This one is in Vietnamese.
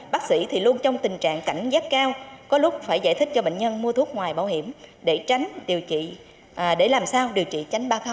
bác sĩ thì luôn trong tình trạng cảnh giác cao có lúc phải giải thích cho bệnh nhân mua thuốc ngoài bảo hiểm để làm sao điều trị tránh ba